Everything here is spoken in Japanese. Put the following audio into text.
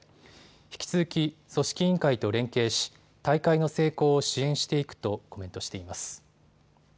引き続き組織委員会と連携し大会の成功を支援していくとコメントしています。